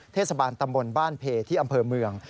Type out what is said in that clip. เทศบาลตำบลบ้านเพที่อำเภอเมือง